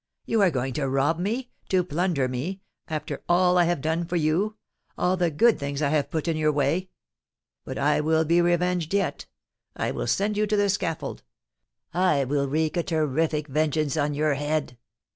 You are going to rob me—to plunder me—after all I have done for you—all the good things I have put in your way! But I will be revenged yet—I will send you to the scaffold—I will wreak a terrific vengeance on your head.